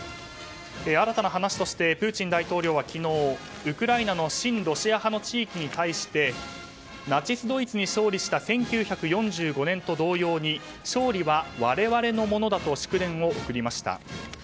新たな話としてプーチン大統領は昨日ウクライナの親ロシア派の地域に対してナチスドイツに勝利した１９４５年と同様に勝利は我々のものだと祝電を送りました。